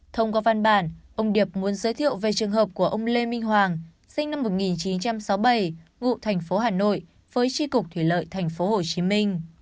thông qua văn bản ông điệp muốn giới thiệu về trường hợp của ông lê minh hoàng sinh năm một nghìn chín trăm sáu mươi bảy ngụ thành phố hà nội với tri cục thủy lợi thành phố hồ chí minh